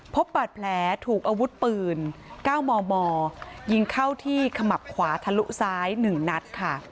พบบาดแผลถูกอาวุธปืน๙มมยิงเข้าที่ขมับขวาทะลุซ้าย๑นัดค่ะ